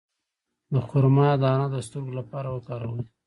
د خرما دانه د سترګو لپاره وکاروئ